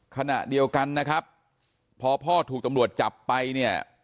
ขณะเดียวกันนะครับพอพ่อถูกตำรวจจับไปเนี่ย